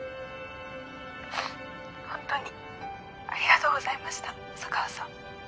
ほんとにありがとうございました浅川さん。